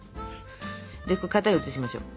で型に移しましょう。